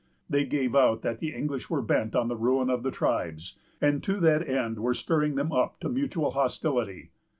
They gave out that the English were bent on the ruin of the tribes, and to that end were stirring them up to mutual hostility.